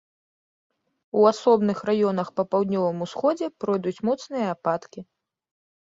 У асобных раёнах па паўднёвым усходзе пройдуць моцныя ападкі.